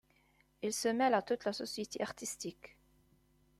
Il se mêle à toute la société artistique.